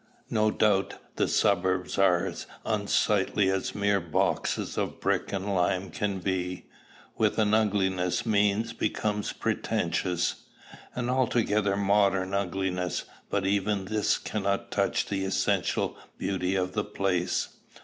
No doubt the suburbs are as unsightly as mere boxes of brick and lime can be, with an ugliness mean because pretentious, an altogether modern ugliness; but even this cannot touch the essential beauty of the place.